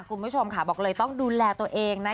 คุณผู้ชมค่ะบอกเลยต้องดูแลตัวเองนะ